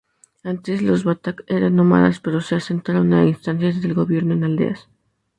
Antes los batak eran nómadas, pero se asentaron a instancias del Gobierno en aldeas.